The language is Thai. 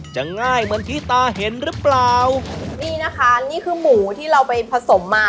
ง่ายเหมือนที่ตาเห็นหรือเปล่านี่นะคะนี่คือหมูที่เราไปผสมมา